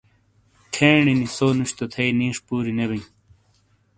کھینی نی سو نُش تو تھیئ نِیش پُوری نے بِیں۔